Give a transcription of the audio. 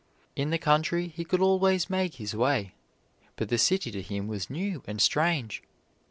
In the country he could always make his way, but the city to him was new and strange.